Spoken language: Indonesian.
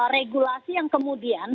regulasi yang kemudian